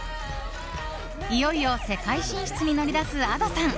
いよいよ世界進出に乗り出すＡｄｏさん。